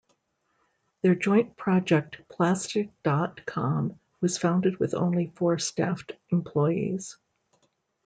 Their joint project Plastic dot com was founded with only four staffed employees.